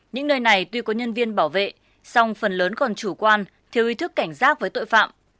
những nơi này tuy có nhân viên bảo vệ song phần lớn còn chủ quan thiếu ý thức cảnh giác với tội phạm